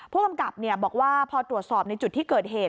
ผู้กำกับบอกว่าพอตรวจสอบในจุดที่เกิดเหตุ